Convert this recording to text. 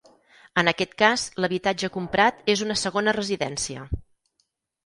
En aquest cas l'habitatge comprat és una segona residència.